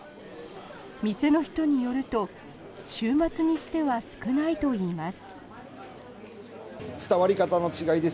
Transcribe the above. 店の人によると週末にしては少ないといいます。